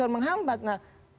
menghambat gitu ya